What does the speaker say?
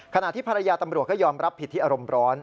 ขณะที่ภรรยาตำรวจก็ยอมรับผิดที่อารมณ์ร้อน